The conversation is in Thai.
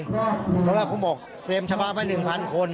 เพราะละที่ผมบอกเฟซเซมส์ชาวบ้านมาก๑๐๐๐คน